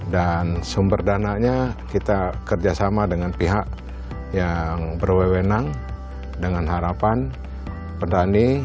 dan sumber dananya kita kerjasama dengan pihak yang berwewenang dengan harapan pendani